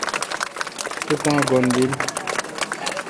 تو کاں گن بیل۔